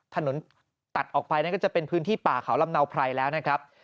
ถนนตัดออกไปนั่นก็จะเป็นพื้นที่ป่าเขาลำเนาไพรแล้วนะครับ